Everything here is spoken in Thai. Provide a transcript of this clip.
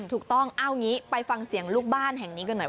ถูกต้องเอางี้ไปฟังเสียงลูกบ้านแห่งนี้กันหน่อย